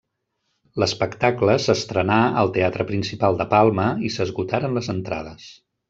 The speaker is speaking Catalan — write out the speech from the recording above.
L'espectacle s'estrenà al Teatre Principal de Palma i s'esgotaren les entrades.